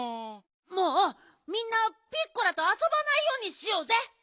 もうみんなピッコラとあそばないようにしようぜ。